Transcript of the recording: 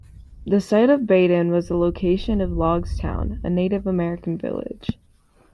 The site of Baden was the location of Logstown, a Native American village.